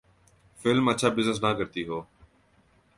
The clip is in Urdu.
فلم اچھا بزنس نہ کرتی ہو۔